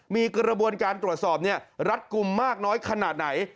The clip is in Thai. มีกระบวนการตรวจสอบรัดกลุ่มมากน้อยขนาดไหน